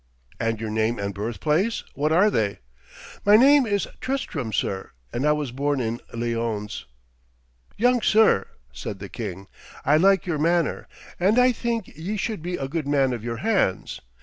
'And your name and birthplace what are they?' 'My name is Tristram, sir, and I was born in Lyones.' 'Young sir,' said the king, 'I like your manner, and I think ye should be a good man of your hands.